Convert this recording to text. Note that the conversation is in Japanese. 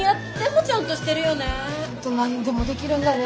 ほんと何でもできるんだね。